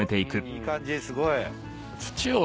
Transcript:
いい感じすごい。